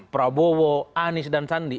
prabowo anies dan sandi